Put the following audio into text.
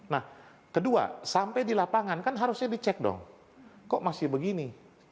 nah kedua sampai di lapangan kan harusnya dicek dong kok masih begini